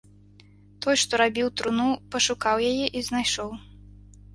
Той, што рабіў труну, пашукаў яе і знайшоў.